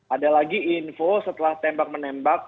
ada lagi info setelah tembak menembak